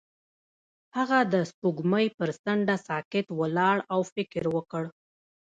هغه د سپوږمۍ پر څنډه ساکت ولاړ او فکر وکړ.